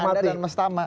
semata dan mestama